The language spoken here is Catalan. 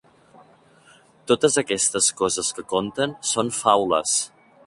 Totes aquestes coses que conten són faules.